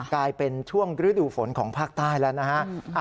กลายเป็นช่วงฤดูฝนของภาคใต้แล้วนะฮะ